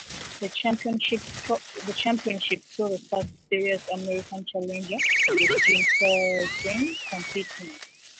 The championship saw the first serious American challenger with Gene Sarazen competing.